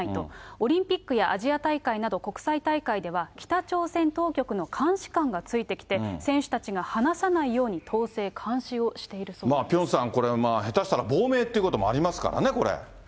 オリンピックやアジア大会など、国際大会では、北朝鮮当局の監視官がついてきて、選手たちが話さないように統制、ピョンさん、これは下手したら亡命ってこともありますからね、これ。